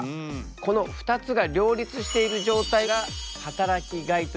この２つが両立している状態が働きがいという言葉なんだ。